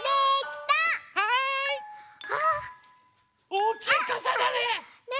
おおきいかさだね。